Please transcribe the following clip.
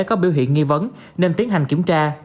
có biểu hiện nghi vấn nên tiến hành kiểm tra